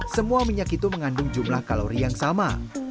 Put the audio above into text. semua minyak itu mengandung jumlah kalori yang sama